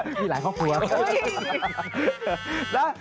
มีหลายครอบครัว